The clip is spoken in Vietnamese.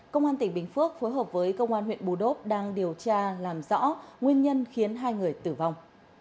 công an tỉnh bình phước phối hợp với công an huyện bù đốp đang điều tra làm rõ nguyên nhân khiến hai người tử vong